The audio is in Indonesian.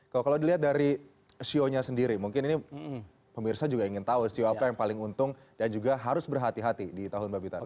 kalau dilihat dari sionya sendiri mungkin ini pemirsa juga ingin tahu sio apa yang paling untung dan juga harus berhati hati di tahun babi tanah